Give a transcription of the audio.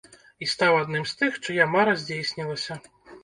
І стаў адным з тых, чыя мара здзейснілася.